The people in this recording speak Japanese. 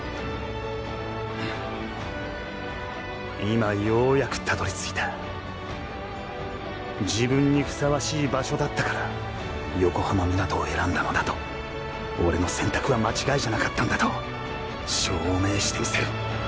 今ようやく辿り着いた自分に相応しい場所だったから横浜湊を選んだのだと俺の選択は間違いじゃなかったんだと証明してみせる！